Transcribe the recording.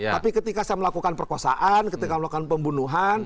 tapi ketika saya melakukan perkosaan ketika melakukan pembunuhan